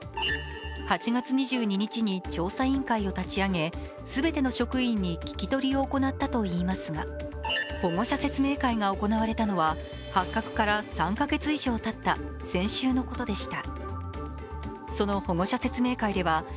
８月２２日に調査委員会を立ち上げ全ての職員に聞き取りを行ったといいますが、保護者説明会が行われたのは発覚から３か月以上たった先週のことでした。